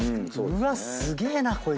うわっすげえなこいつ。